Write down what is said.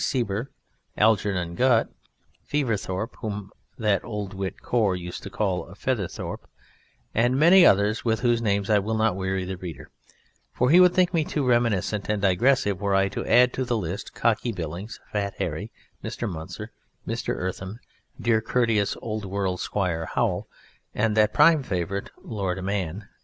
Seeber, Algernon Gutt, Feverthorpe (whom that old wit Core used to call "_Feather_thorpe"), and many others with whose names I will not weary the reader, for he would think me too reminiscent and digressive were I to add to the list "Cocky" Billings, "Fat Harry", Mr. Muntzer, Mr. Eartham, dear, courteous, old world Squire Howle, and that prime favourite, Lord Mann.